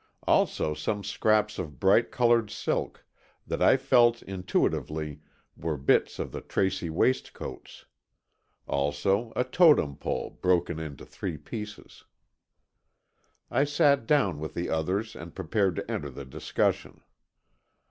Also, some scraps of bright coloured silk, that I felt, intuitively, were bits of the Tracy waistcoats. Also, a Totem Pole, broken into three pieces. I sat down with the others, and prepared to enter the discussion.